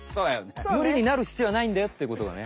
むりになるひつようはないんだよっていうことがね